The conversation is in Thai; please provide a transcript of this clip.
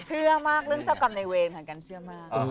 เชื่อมากเรื่องเจ้ากรรมในเวรทางการเชื่อมาก